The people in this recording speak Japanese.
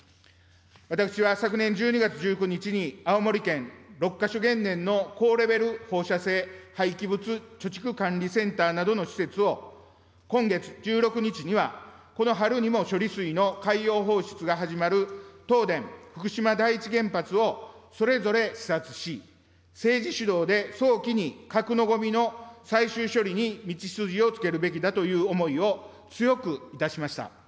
私は昨年１２月１９日に、青森県六ヶ所原燃の高レベル放射性廃棄物貯蓄管理センターなどの施設を、今月１６日にはこの春にも処理水の海洋放出が始まる、東電福島第一原発を、それぞれ視察し、政治主導で早期に核のごみの最終処理に道筋をつけるべきだという思いを強くいたしました。